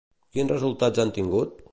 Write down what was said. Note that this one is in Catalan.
Quins resultats han tingut?